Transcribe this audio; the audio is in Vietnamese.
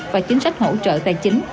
và chính sách hỗ trợ tài chính